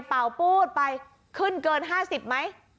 เป่าปู๊ดไปขึ้นเกิน๕๐ไหม